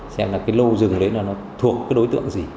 xem là cái lô rừng đấy là nó thuộc cái đối tượng gì